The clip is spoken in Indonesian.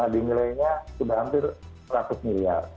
di nilainya sudah hampir seratus miliar